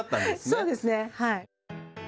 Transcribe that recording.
そうですねはい。